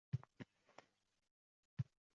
Qalb chirog’ing